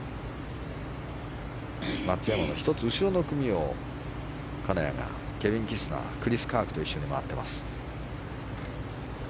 松山の１つ後ろの組を金谷が、ケビン・キスナークリス・カークと一緒に回っています。